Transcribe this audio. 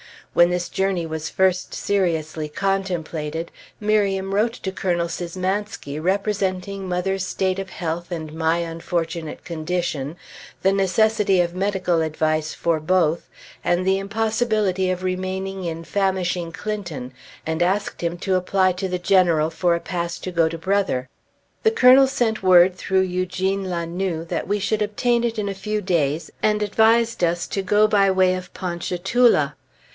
When this journey was first seriously contemplated, Miriam wrote to Colonel Szymanski representing mother's state of health and my unfortunate condition, the necessity of medical advice for both, and the impossibility of remaining in famishing Clinton, and asked him to apply to the General for a pass to go to Brother. The Colonel sent word through Eugene La Noue that we should obtain it in a few days, and advised us to go by way of Ponchatoula.